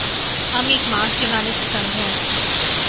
ہم ایک ماسک لگانے سے تنگ ہیں